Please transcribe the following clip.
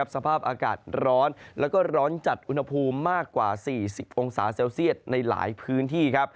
สภาพอากาศร้อนแล้วก็ร้อนจัดอุณหภูมิมากกว่า๔๐องศาเซลเซียตในหลายพื้นที่